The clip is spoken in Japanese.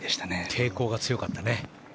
抵抗が強かったね。